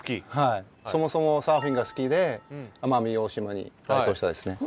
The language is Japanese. そもそもサーフィンが好きで奄美大島に来島したですね。